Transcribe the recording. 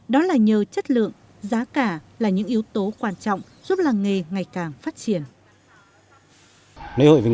đó là nhờ chất lượng giá cả là những yếu tố quan trọng giúp làng nghề ngày càng phát triển